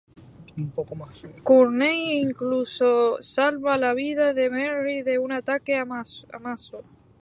Courtney incluso salva la vida de Merry de un ataque Amazo.